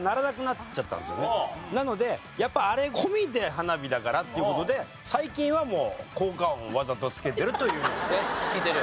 なのでやっぱあれ込みで花火だからっていう事で最近はもう効果音をわざとつけてるという。って聞いてる？